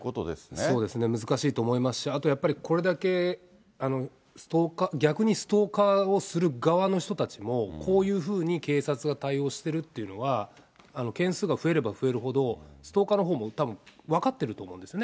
そうですね、難しいと思いますし、あとやっぱり、これだけストーカー、逆にストーカーをする側の人たちも、こういうふうに警察が対応してるっていうのは、件数が増えれば増えるほど、ストーカーのほうもたぶん分かってると思うんですよね。